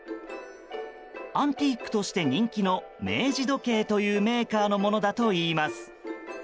アンティークとして人気の明治時計というメーカーのものだといいます。